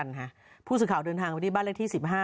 กันฮะผู้สึกข่าวเดินทางวันนี้บ้านแรกที่สิบห้า